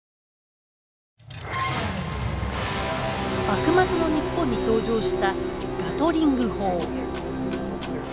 幕末の日本に登場したガトリング砲。